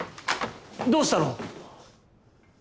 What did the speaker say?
どうしたの？